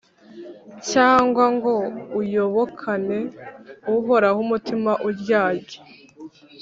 cyangwa ngo uyobokane uhoraho umutima uryarya